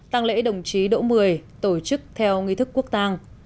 tăng lễ đồng chí đỗ mười tổ chức theo nghi thức quốc tàng